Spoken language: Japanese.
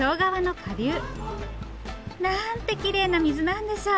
きれいな水なんでしょう！